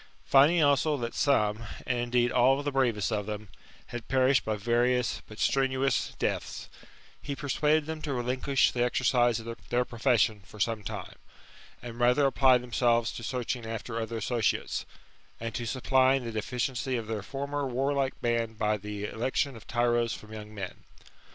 Finding' also that some, and indeed all the bravest of them, had perished by various but strenuous deaths, he persuaded them to relinquish the exercise of their profession for some time, and rather apply themselves to searching after other associates, and to supplying the deficiency of their former warlike band by the election of tyros from young men.